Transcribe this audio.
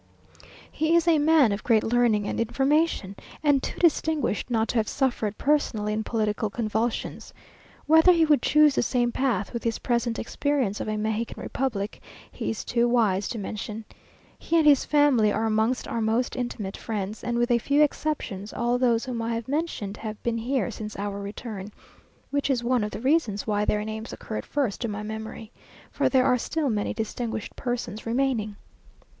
He is a man of great learning and information, and too distinguished not to have suffered personally in political convulsions. Whether he would choose the same path, with his present experience of a Mexican republic, he is too wise to mention. He and his family are amongst our most intimate friends, and with a few exceptions all those whom I have mentioned have been here since our return, which is one of the reasons why their names occurred first to my memory; for there are still many distinguished persons remaining.